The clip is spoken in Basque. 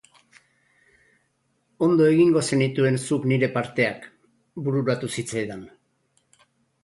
Ondo egingo zenituen zuk nire parteak!, bururatu zitzaidan.